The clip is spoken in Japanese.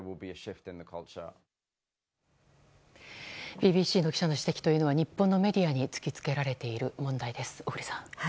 ＢＢＣの記者の指摘というのは日本のメディアに突き付けられている問題ですね小栗さん。